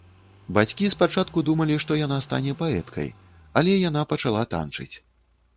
Бацькі спачатку думалі, што яна стане паэткай, але яна пачала танчыць.